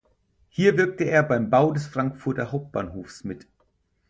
Hier wirkte er beim Bau des Frankfurter Hauptbahnhofs mit.